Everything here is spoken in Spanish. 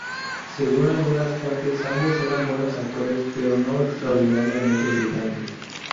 Según algunas fuentes, ambos eran buenos actores, pero no extraordinariamente brillantes.